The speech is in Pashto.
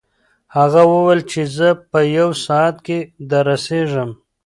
هغه وویل چې زه په یو ساعت کې دررسېږم.